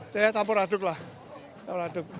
saya campur aduk lah kalau aduk